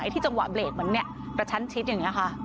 ที่จังหวะเบรกมันเนี่ยประชันชิดอย่างเงี้ยค่ะ